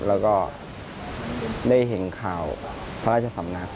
แล้วก็ได้เห็นข่าวพระราชสำนัก